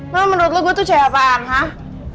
lo menurut lo gue tuh cewek apaan hah